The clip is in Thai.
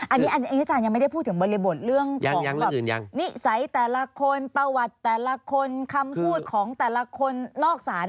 อันนี้อาจารย์ยังไม่ได้พูดถึงบริบทเรื่องของนิสัยแต่ละคนประวัติแต่ละคนคำพูดของแต่ละคนนอกศาล